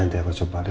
nanti aku coba